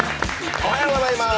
おはようございます。